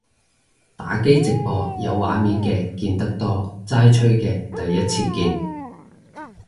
打機直播有畫面嘅見得多，齋吹嘅第一次見